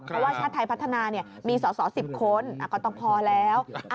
เพราะว่าชาติไทยพัฒนามีสอสอ๑๐คนก็ต้องพอแล้ว